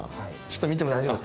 見ても大丈夫ですか？